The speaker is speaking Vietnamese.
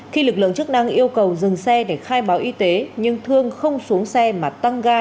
khi lực lượng chức năng yêu cầu dừng xe để khai báo y tế nhưng thương không xuống xe mà tăng ga